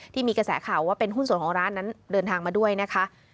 ที่มีกระแสข่าวว่าเป็นหุ้นส่วนของร้านนั้นเดินทางมาด้วยนะคะ